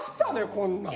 こんなん。